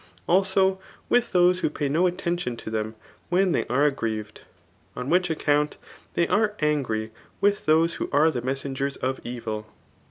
Abo with those who pay no attention to them when they are agg^rieved ; on which account they are angry with those who are the messenger^ of evil.